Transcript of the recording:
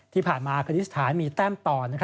ที่ผ่านมาคติศาสตร์เมียแต้มต่อ